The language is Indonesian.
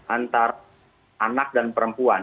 antara anak dan perempuan